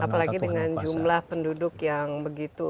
apalagi dengan jumlah penduduk yang begitu